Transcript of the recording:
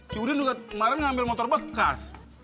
si udin juga kemarin ngambil motor bekas